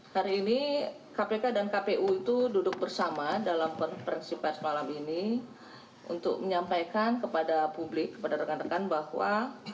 hari ini kpk dan kpu itu duduk bersama dalam konferensi pers malam ini untuk menyampaikan kepada publik kepada rekan rekan bahwa